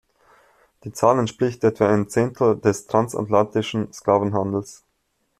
Die Zahl entspricht etwa einem Zehntel des transatlantischen Sklavenhandels.